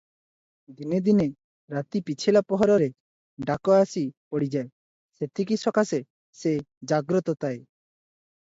ଦିନେ ଦିନେ ରାତି ପିଛିଲା ପହରରେ ଡାକ ଆସି ପଡ଼ିଯାଏ, ସେଥିସକାଶେ ସେ ଜାଗ୍ରତ ତାଏ ।